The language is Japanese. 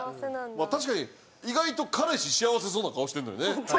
確かに意外と彼氏幸せそうな顔してんのよね。